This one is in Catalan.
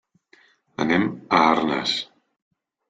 Anem a Arnes.